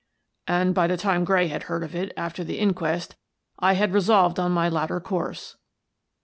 " And by the time Gray had heard of it, after the inquest, I had resolved on my latter course."